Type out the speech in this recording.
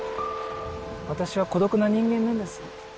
私は孤独な人間なんです。